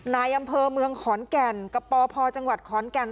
นายอำเภอเมืองขอนแก่นกับปพจังหวัดขอนแก่น